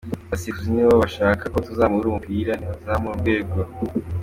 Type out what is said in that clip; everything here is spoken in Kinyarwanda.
Abasifuzi niba bashaka ko tuzamura umupira nibazamure urwego.